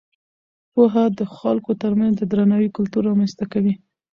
پوهه د خلکو ترمنځ د درناوي کلتور رامینځته کوي.